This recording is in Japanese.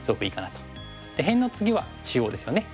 で辺の次は中央ですよね。